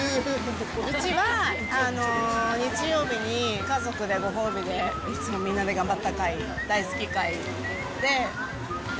うちは、日曜日に家族でご褒美でいつもみんなで頑張った会、大好き会で食